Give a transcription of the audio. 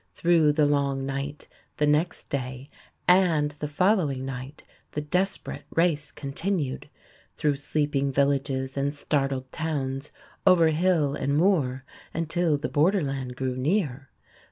Through the long night, the next day, and the following night the desperate race continued through sleeping villages and startled towns, over hill and moor, until the borderland grew near.